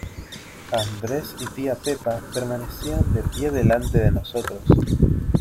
Andrés y tía pepa permanecían de pie delante de nosotros.